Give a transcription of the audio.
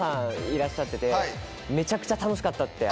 いらっしゃっててめちゃくちゃ楽しかったって。